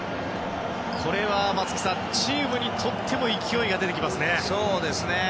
これは松木さんチームにとっても勢いが出てきますね。